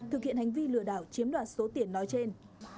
thực hiện hành vi lừa đảo chiếm đoạt số tiền nói trên